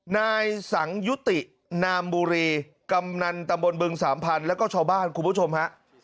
นายสังยุตินามบุรีกำนันตำบลบึงสามพันธุ์แล้วก็ชาวบ้านคุณผู้ชมฮะ